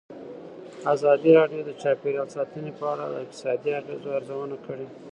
ازادي راډیو د چاپیریال ساتنه په اړه د اقتصادي اغېزو ارزونه کړې.